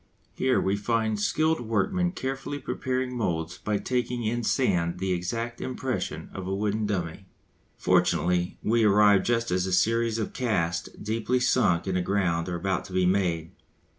Here we find skilled workmen carefully preparing moulds by taking in sand the exact impression of a wooden dummy. Fortunately we arrive just as a series of casts deeply sunk in the ground are about to be made.